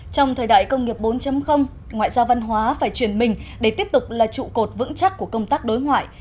trong thời đại công nghiệp bốn ngoại giao văn hóa phải chuyển mình để tiếp tục là trụ cột vững chắc của công tác đối ngoại